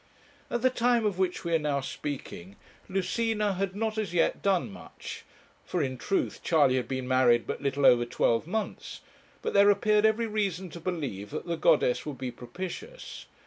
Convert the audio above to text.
At the time of which we are now speaking Lucina had not as yet done much; for, in truth, Charley had been married but little over twelve months; but there appeared every reason to believe that the goddess would be propitious.